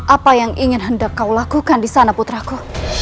apa yang ingin hendak kau lakukan di sana putraku